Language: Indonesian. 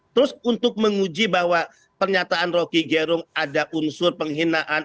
terus untuk menguji bahwa pernyataan rocky gerung ada unsur penghinaan